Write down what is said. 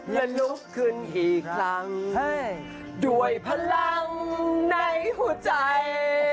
ลุกขึ้นอีกครั้งด้วยพลังในหัวใจ